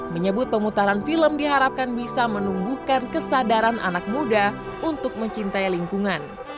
menyebut pemutaran film diharapkan bisa menumbuhkan kesadaran anak muda untuk mencintai lingkungan